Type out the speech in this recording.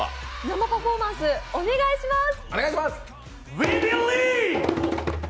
生パフォーマンス、お願いします。